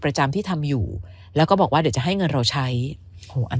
ประจำที่ทำอยู่แล้วก็บอกว่าเดี๋ยวจะให้เงินเราใช้โหอัน